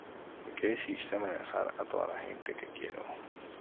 en que decidiste amenazar a toda la gente que quiero.